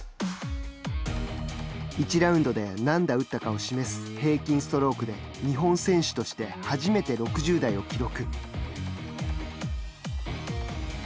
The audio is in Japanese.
１ラウンドで何打打ったかを示す平均ストロークで日本選手として初めて６０台を記録。